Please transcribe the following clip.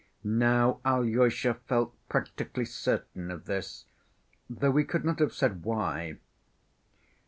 Now Alyosha felt practically certain of this, though he could not have said why.